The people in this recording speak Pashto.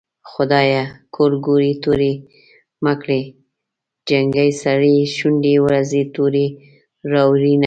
خدايه ګورګورې تورې مه کړې جنکۍ سرې شونډې ورځي تورې راوړينه